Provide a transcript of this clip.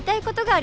あ！